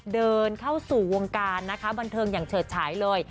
เดินเข้าสู่วงการมันเทิงอย่างเฉิดใช้เลย